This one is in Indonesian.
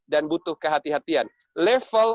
dan butuh kehati hatian level